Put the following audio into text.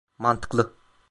Mantıklı.